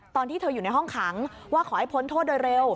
ตอนที่เธออยู่ในห้องขังว่าขอให้พ้นโทษโดยเร็ว